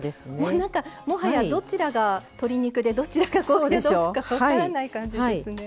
なんかもはやどちらが鶏肉でどちらが高野豆腐か分からない感じですね。